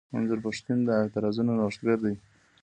منظور پښتين د اعتراضونو نوښتګر دی.